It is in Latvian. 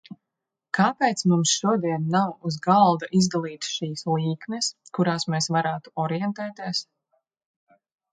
Kāpēc mums šodien nav uz galda izdalītas šīs līknes, kurās mēs varētu orientēties?